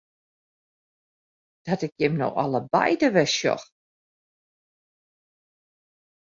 Dat ik jim no allebeide wer sjoch!